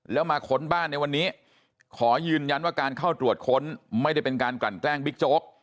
แล้วมาค้นบ้านในวันนี้ขอยืนยันว่าการเข้าตรวจค้นไม่ได้เป็นการกลั่นแกล้งบิ๊กโจ๊ก